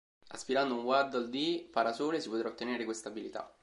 Aspirando un Waddle Dee Parasole si potrà ottenere questa abilità.